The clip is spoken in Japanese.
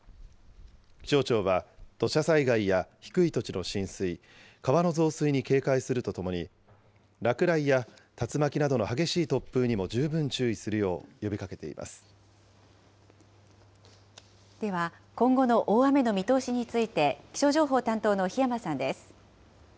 気象庁は土砂災害や低い土地の浸水、川の増水に警戒するとともに、落雷や竜巻などの激しい突風にも十分注意するよう呼びかけていまでは、今後の大雨の見通しについて気象情報担当の檜山さんです。